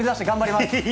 頑張ります。